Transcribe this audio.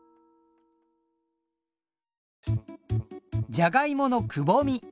じゃがいものくぼみ。